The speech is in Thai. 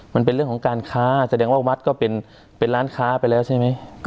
มันเป็นเรื่องของการค้าแสดงว่าวัดก็เป็นร้านค้าไปแล้วใช่ไหม